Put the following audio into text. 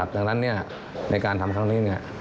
ดังนั้นในการทำครั้งนี้